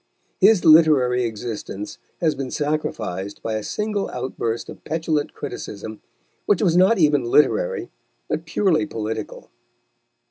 His literary existence has been sacrificed by a single outburst of petulant criticism, which was not even literary, but purely political.